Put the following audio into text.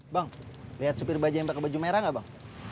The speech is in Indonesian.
bang liat supir baja yang pake baju merah gak bang